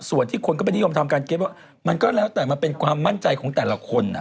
ส่วนที่คนก็ไปนิยมทำการเก็ตว่ามันก็แล้วแต่มันเป็นความมั่นใจของแต่ละคน